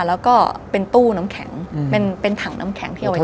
แล้วก็เป็นตู้น้ำแข็งเป็นถังน้ำแข็งที่เอาไว้